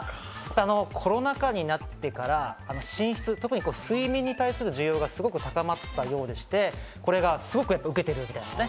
コロナ禍になってから寝室、特に睡眠に対する需要が高まったようでして、これがやっぱり受けてるみたいですね。